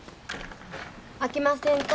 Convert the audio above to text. あきませんか？